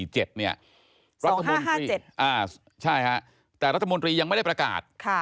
ใช่ครับแต่รัฐมนตรียังไม่ได้ประกาศ